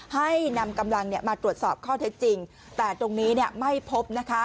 ให้นำกำลังมาตรวจสอบข้อเท็จจริงแต่ตรงนี้ไม่พบนะคะ